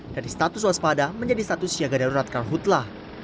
dari status waspada menjadi status siaga darurat karhutlah